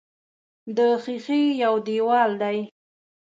د ښیښې یو دېوال دی.